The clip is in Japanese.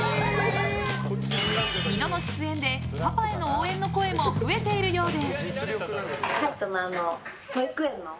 ２度の出演でパパへの応援の声も増えているようで。